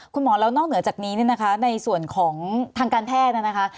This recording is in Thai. คุณหมอแล้วนอกเหนือจากนี้เนี่ยนะคะในส่วนของทางการแพทย์เนี่ยนะคะ